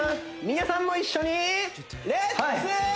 皆さんも一緒にレッツ！